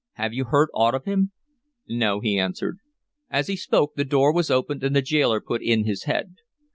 Have you heard aught of him?" "No," he answered. As he spoke, the door was opened and the gaoler put in his head.